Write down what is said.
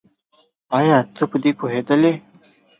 ايا ته په دې پوهېدلې؟